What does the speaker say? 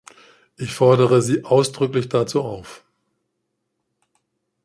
Ich fordere sie ausdrücklich dazu auf.